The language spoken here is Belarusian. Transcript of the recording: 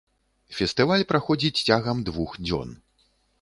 Фестываль праходзіць цягам двух дзён.